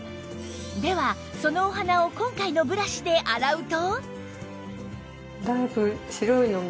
ではそのお鼻を今回のブラシで洗うと